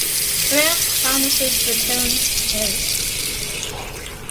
Paras promises to return and marry her.